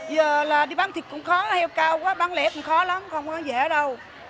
giờ là đi bán thịt cũng khó heo cao quá bán lẻ cũng khó lắm không có dễ đâu